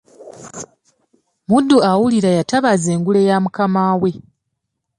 Muddu awulira y’atabaaza engule ya Mukamaawe